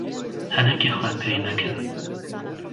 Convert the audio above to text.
Henekê xwe pê nekin!